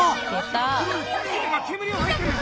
煙を吐いてる！